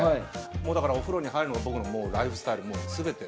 もうだからお風呂に入るのが僕のもうライフスタイルもう全て。